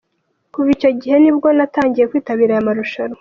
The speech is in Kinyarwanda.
Kuva icyo gihe nibwo natangiye kwitabira aya marushanwa.